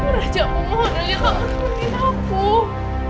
raja mau mohonnya kamu pergi nabuh